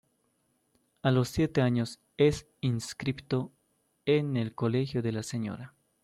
A los siete años es inscripto en el Colegio de la Sra.